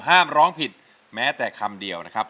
ร้องผิดแม้แต่คำเดียวนะครับ